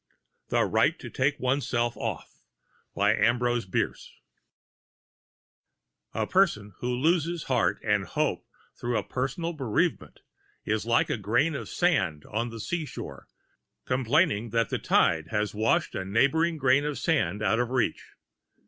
THE RIGHT TO TAKE ONESELF OFF A PERSON who loses heart and hope through a personal bereavement is like a grain of sand on the seashore complaining that the tide has washed a neighboring grain out of reach.